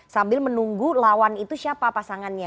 sambil menunggu lawan itu siapa pasangannya